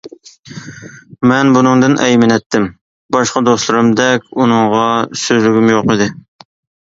مەن ئۇنىڭدىن ئەيمىنەتتىم، باشقا دوستلىرىمدەك ئۇنىڭغا سۆزلىگۈم يوق ئىدى.